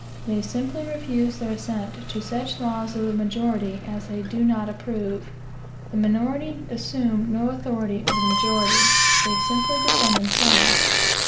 They simply refuse their assent to such laws of the majority as they do not approve. The minority assume no authority over the majority; they simply defend themselves.